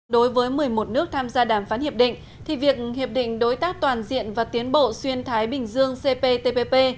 đối với một mươi một nước tham gia đàm phán hiệp định thì việc hiệp định đối tác toàn diện và tiến bộ xuyên thái bình dương cptpp